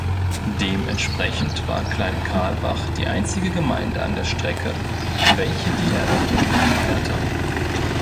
Dementsprechend war Kleinkarlbach die einzige Gemeinde an der Strecke, welche die Eröffnung nicht feierte.